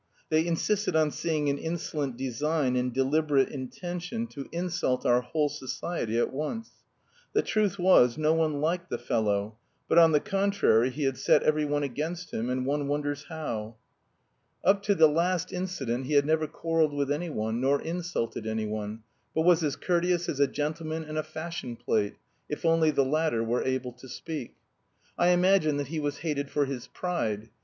They insisted on seeing an insolent design and deliberate intention to insult our whole society at once. The truth was no one liked the fellow, but, on the contrary, he had set every one against him and one wonders how. Up to the last incident he had never quarrelled with anyone, nor insulted anyone, but was as courteous as a gentleman in a fashion plate, if only the latter were able to speak. I imagine that he was hated for his pride.